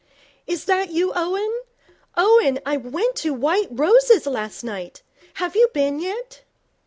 'Is that you, Owen? Owen, I went to White Roses last night. Have you been yet?'